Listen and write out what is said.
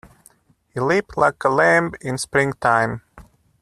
He leaped like a lamb in springtime.